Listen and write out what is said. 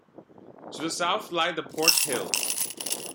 To the south lie the Port Hills.